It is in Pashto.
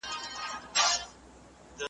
ایا ته به سفر کوې؟